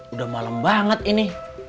udah malem banget ini